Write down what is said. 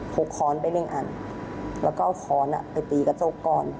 กค้อนไปหนึ่งอันแล้วก็เอาค้อนไปตีกระจกก่อน